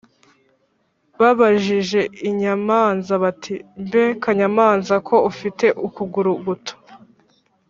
babajije inyamanza bati: “mbe kanyamanza ko ufite ukuguru guto!”